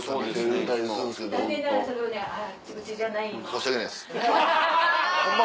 申し訳ないですホンマ